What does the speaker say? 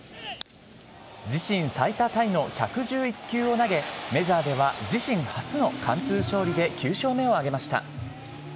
自身最多タイの１１１球を投げメジャーでは自身初の完封勝利で９勝目を挙げました。